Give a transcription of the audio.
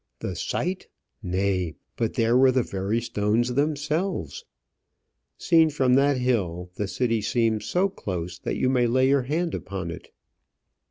The site! nay, but there were the very stones themselves. Seen from that hill, the city seems so close that you may lay your hand upon it.